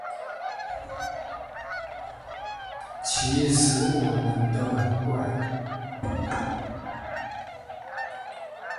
其實我們都很怪